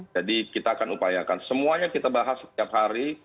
jadi kita akan upayakan semuanya kita bahas setiap hari